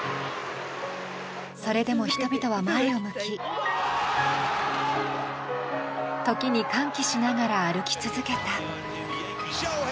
それでも人々は前を向き、時に歓喜しながら歩き続けた。